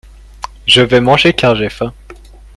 Je vais manger car j'ai faim.